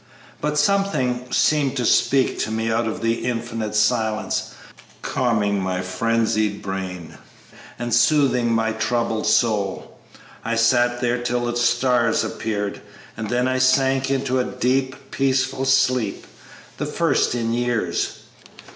But something seemed to speak to me out of the infinite silence, calming my frenzied brain and soothing my troubled soul. I sat there till the stars appeared, and then I sank into a deep, peaceful sleep the first in years.